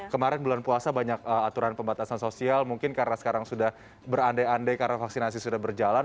kemarin bulan puasa banyak aturan pembatasan sosial mungkin karena sekarang sudah berandai andai karena vaksinasi sudah berjalan